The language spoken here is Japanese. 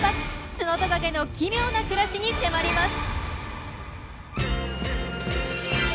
ツノトカゲの奇妙な暮らしに迫ります。